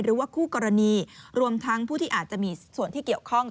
หรือว่าคู่กรณีรวมทั้งผู้ที่อาจจะมีส่วนที่เกี่ยวข้อง